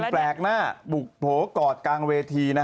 หนุ่มแปลกหน้าปลูกโผกรดกลางเวทีนะฮะ